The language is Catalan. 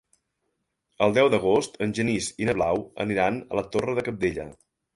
El deu d'agost en Genís i na Blau aniran a la Torre de Cabdella.